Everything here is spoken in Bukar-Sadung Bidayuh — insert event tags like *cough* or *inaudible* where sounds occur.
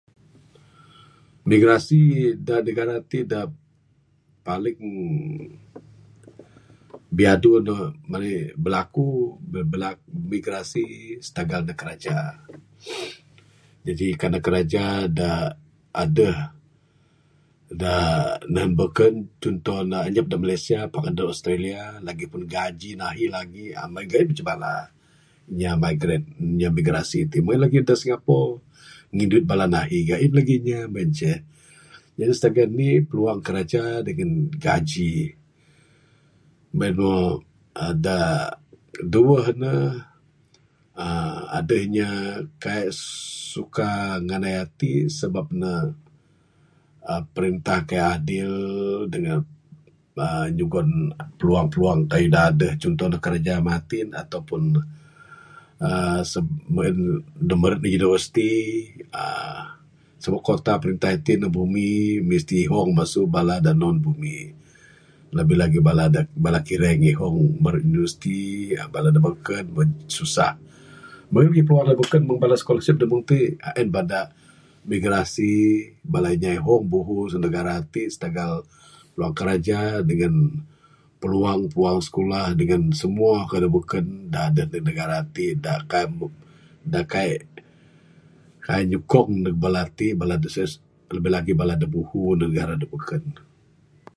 Migrasi da negara ti paling biadu ne berlaku *unintelligible* migrasi stagal ne kraja. Jaji kan ne kraja da adeh da nehen beken cuntoh ne anyap da Malaysia pak da Australia lagipun gaji ne ahi lagi. Meng en gain manceh bala ne. Inya migrant inya migrasi ti meng en lagih da Singapore. Ngin duit bala ne ahi meng en lagih inya meng en ce. Jaji stagal indi pluang kerja ngin gaji, meh en moh da duweh ne uhh adeh inya da kaik suka nganai ati sabab ne perintah kaik adil dangan bala nyugon pluang pluang kayuh da adeh cuntoh ne kraja matin ato pun uhh uhh meh en da meret da University uhh sabab kota ne itin perintah ne bumi mesti ihong masu bala da non bumi labih labih lagi bala kireng ihong lagi meret university bala da beken susah. Meng en lagih pluang da beken scholarship da meng ti en bada migrasi bala inya da ihong buhu da negara ti stagal kraja dangan bala peluang peluang skulah dangan samua kayuh da beken da adeh negara ti da kaik da kaik nyukong ne bala ti. Labih labih lagi bala da buhu da beken.